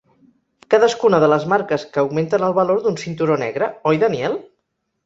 Cadascuna de les marques que augmenten el valor d'un cinturó negre, oi Daniel?